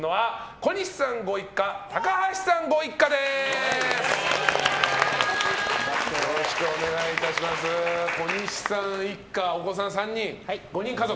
小西さん一家、お子さん３人５人家族。